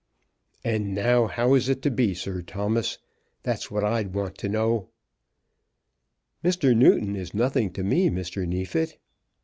"And now how is it to be, Sir Thomas? That's what I want to know." "Mr. Newton is nothing to me, Mr. Neefit."